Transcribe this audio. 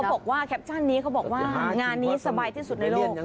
บอกว่าแคปชั่นนี้เขาบอกว่างานนี้สบายที่สุดในโลก